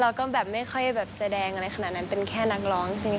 เราก็แบบไม่ค่อยแบบแสดงอะไรขนาดนั้นเป็นแค่นักร้องใช่ไหมค